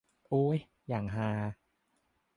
โอ้ย อย่างฮา